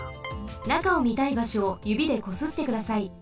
なかをみたいばしょをゆびでこすってください。